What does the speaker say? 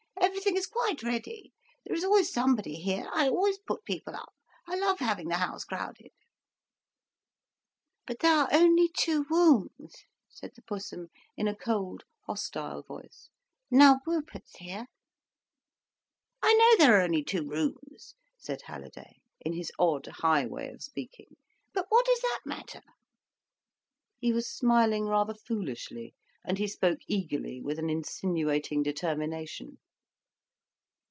Everything is quite ready—there is always somebody here—I always put people up—I love having the house crowded." "But there are only two rooms," said the Pussum, in a cold, hostile voice, "now Rupert's here." "I know there are only two rooms," said Halliday, in his odd, high way of speaking. "But what does that matter?" He was smiling rather foolishly, and he spoke eagerly, with an insinuating determination.